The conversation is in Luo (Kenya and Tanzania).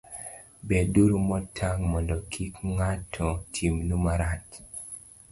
beduru motang' mondo kik ng'ato timnu marach.